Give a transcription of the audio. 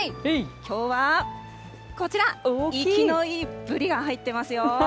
きょうはこちら、生きのいいブリが入ってますよ。